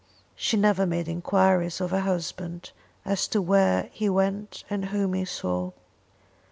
She never made enquiries of her husband as to where he went and whom he saw.